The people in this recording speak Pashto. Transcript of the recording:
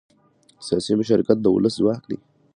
سیاسي مشارکت د ولس ځواک دی